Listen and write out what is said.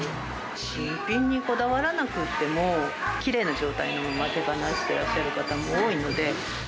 新品にこだわらなくっても、きれいな状態のまま手放してらっしゃる方も多いので。